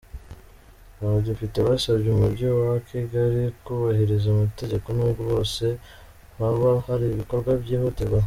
Abadepite basabye Umujyi wa Kigali kubahiriza amategeko n’ubwo bwose haba hari ibikorwa byihutirwa.